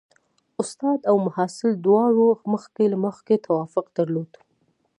استاد او محصل دواړو مخکې له مخکې توافق درلود.